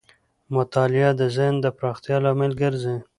مطالعه د ذهن د پراختیا لامل ګرځي.